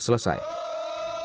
pilihan kelasnya sudah selesai